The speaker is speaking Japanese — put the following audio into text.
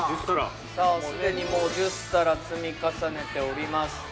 さあすでにもう１０皿積み重ねております。